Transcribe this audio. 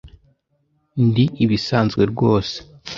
Ndi ibisanzwe rwose.